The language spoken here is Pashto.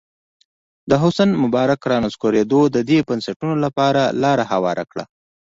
د حسن مبارک رانسکورېدو د دې بنسټونو لپاره لاره هواره کړه.